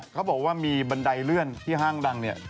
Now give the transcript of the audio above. เขาบอกว่ามีบันไดเลื่อนที่ห้างดังเนี่ย